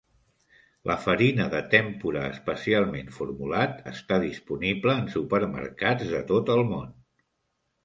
La farina de tempura especialment formulat està disponible en supermercats de tot el món.